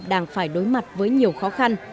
đang phải đối mặt với nhiều khó khăn